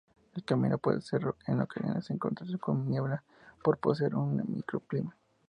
El camino puede en ocasiones encontrarse con niebla por poseer un microclima.